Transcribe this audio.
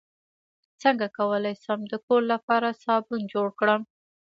څنګه کولی شم د کور لپاره صابن جوړ کړم